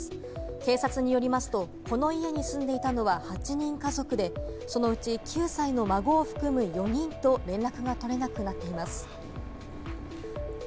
警察によりますと、この家に住んでいたのは、８人家族でそのうち９歳の孫を含む４人と連絡が取れなくなっています。